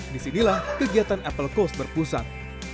disinilah kegiatan apple coast berpusat